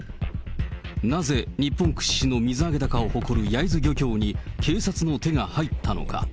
なぜ日本屈指の水揚げ高を誇る焼津漁港に警察の手が入ったのか。